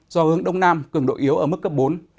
gió hướng đông nam cường độ yếu ở mức cấp bốn